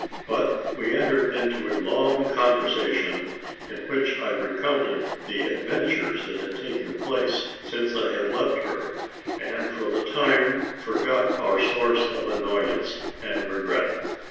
But we entered into a long conversation, in which I recounted the adventures that had taken place since I had left her, and for the time forgot our source of annoyance and regret.